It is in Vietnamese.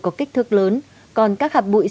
có kích thước lớn còn các hạt bụi